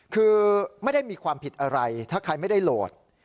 คือไม่ได้มีความผิดอะไรถ้าใครไม่ได้โหลด